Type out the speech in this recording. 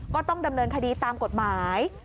ก็ต้องดำเนินคดีตามกฎหมาย